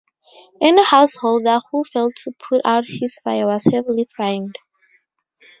Any householder who failed to put out his fire was heavily fined.